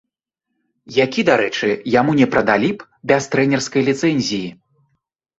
Які, дарэчы, яму не прадалі б без трэнерскай ліцэнзіі.